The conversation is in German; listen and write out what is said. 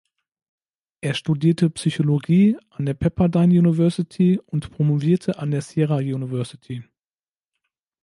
Er studierte Psychologie an der Pepperdine University und promovierte an der Sierra University.